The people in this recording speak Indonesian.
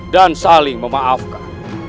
dan saling memaafkan